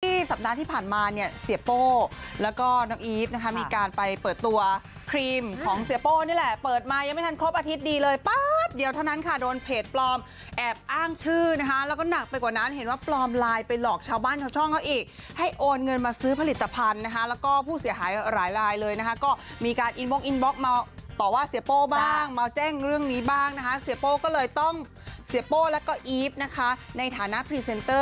ที่สัปดาห์ที่ผ่านมาเนี่ยเสียโป้แล้วก็น้องอีฟนะคะมีการไปเปิดตัวครีมของเสียโป้นี่แหละเปิดมายังไม่ทันครบอาทิตย์ดีเลยป๊าบเดียวเท่านั้นค่ะโดนเพจปลอมแอบอ้างชื่อนะคะแล้วก็หนักไปกว่านั้นเห็นว่าปลอมไลน์ไปหลอกชาวบ้านชาวช่องเขาอีกให้โอนเงินมาซื้อผลิตภัณฑ์นะคะแล้วก็ผู้เสียหายหลายลายเลยนะคะก็มีการ